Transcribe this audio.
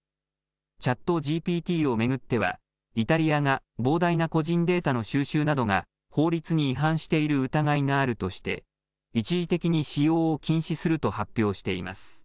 ＣｈａｔＧＰＴを巡ってはイタリアが膨大な個人データの収集などが法律に違反している疑いがあるとして一時的に使用を禁止すると発表しています。